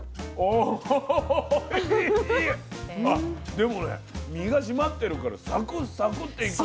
でもね身が締まってるからサクッサクッていく。